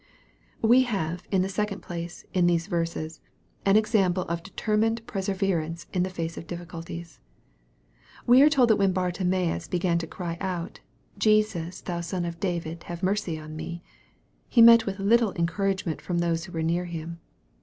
We have, in the second place, in these verses, an ea> ample of determined perseverance in the face of difficulties. We are told that when Bartima3us began to cry out, " Jesus, thou Son of David have mercy on me," he met with little encouragement from those who w ere near him.